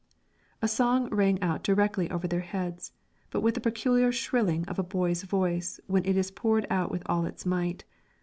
A song rang out directly over their heads, but with the peculiar shrilling of a boy's voice when it is poured out with all its might.